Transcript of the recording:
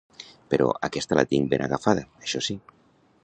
"Però aquesta la tinc ben agafada, això sí!"